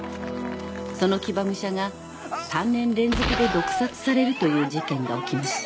［その騎馬武者が３年連続で毒殺されるという事件が起きました］